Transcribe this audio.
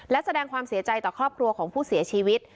และแสดงความเสียใจต่อครอบครัวของผู้เสียชีวิต